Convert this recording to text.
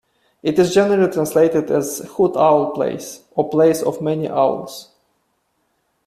It is generally translated as "Hoot-owl place" or "place of many owls".